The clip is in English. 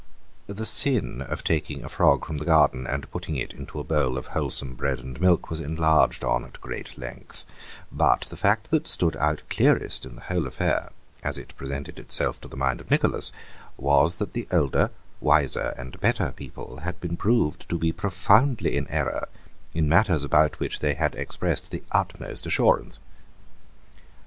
The sin of taking a frog from the garden and putting it into a bowl of wholesome bread and milk was enlarged on at great length, but the fact that stood out clearest in the whole affair, as it presented itself to the mind of Nicholas, was that the older, wiser, and better people had been proved to be profoundly in error in matters about which they had expressed the utmost assurance.